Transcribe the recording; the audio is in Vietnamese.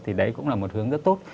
thì đấy cũng là một hướng rất tốt